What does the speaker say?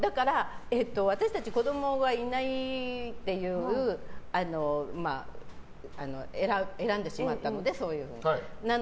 私たち子供はいないっていう選んでしまったのでそういうことを。